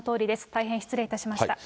大変失礼いたしました。